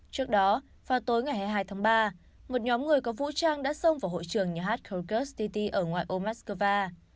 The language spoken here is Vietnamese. trước đó vào tối ngày hai tháng ba một nhóm người có vũ trang đã xông vào hội trường nhà hát kyrgyzstan ở ngoài ô moskova